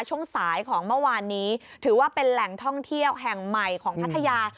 ช่วงสายของเมื่อวานนี้ถือว่าเป็นแหล่งท่องเที่ยวแห่งใหม่ของพัทยา